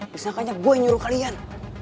misalkan gue yang nyuruh kalian